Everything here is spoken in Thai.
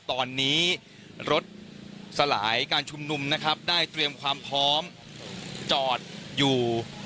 ตอนนี้รถสลายการชุมนุมนะครับได้เตรียมความพร้อมจอดอยู่